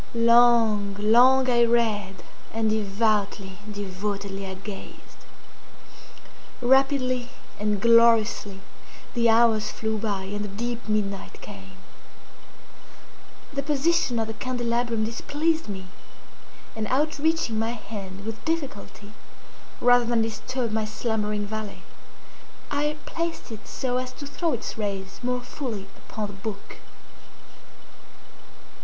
Long, long I read—and devoutly, devotedly I gazed. Rapidly and gloriously the hours flew by and the deep midnight came. The position of the candelabrum displeased me, and outreaching my hand with difficulty, rather than disturb my slumbering valet, I placed it so as to throw its rays more fully upon the book.